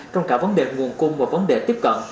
trong cả vấn đề nguồn cung và vấn đề tiếp cận